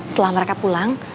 setelah mereka pulang